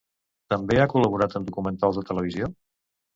També ha col·laborat en documentals de televisió.